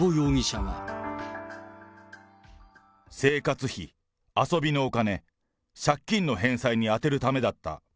生活費、遊びのお金、借金の返済に充てるためだった。